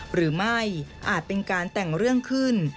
หรือไม่อาจเป็นการแต่งเรื่องขึ้น